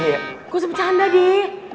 gak usah bercanda deh